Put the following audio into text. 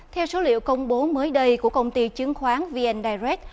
theo số liệu công bố mới đây của công ty chứng khoán vn direct